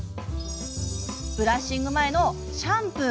ブラッシング前のシャンプー。